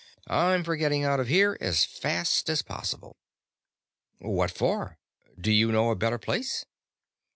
"I'm for getting out of here as fast as possible." "What for? Do you know a better place?"